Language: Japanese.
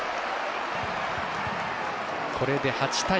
これで８対５。